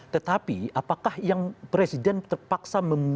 tetapi apakah yang presiden terpaksa